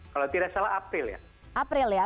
kalau tidak salah april ya